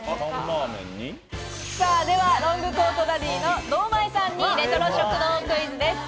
ではロングコートダディの堂前さんにレトロ食堂クイズです。